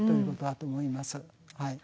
はい。